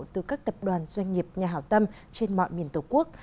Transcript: từ các tập đoàn doanh nghiệp nhà hảo tâm trên mọi miền tổ quốc